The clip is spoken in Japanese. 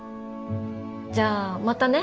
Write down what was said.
じゃあまたね。